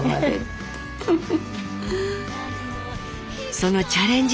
そのチャレンジ